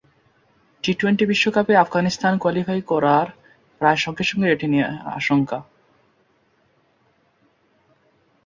T twenty বিশ্বকাপে Afghanistan qualify করার প্রায় সঙ্গে সঙ্গেই এটি নিয়ে আশঙ্কা।